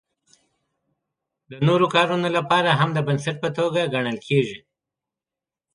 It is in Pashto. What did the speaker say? د نورو کارونو لپاره هم د بنسټ په توګه ګڼل کیږي.